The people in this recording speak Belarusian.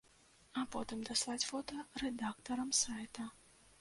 А потым даслаць фота рэдактарам сайта.